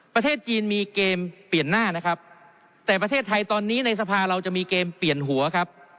ประเทศจีนมีเกมเปลี่ยนหน้านะครับแต่ประเทศไทยตอนนี้ในสภาเราจะมีเกมเปลี่ยนหัวครับ